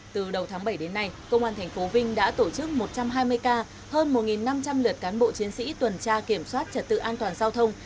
từ đầu tháng bảy đến nay công an tp vinh đã tổ chức một trăm hai mươi ca hơn một năm trăm linh lượt cán bộ chiến sĩ tuần tra kiểm soát trật tự an toàn giao thông